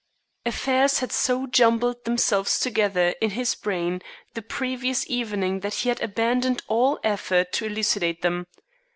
Affairs had so jumbled themselves together in his brain the previous evening that he had abandoned all effort to elucidate them.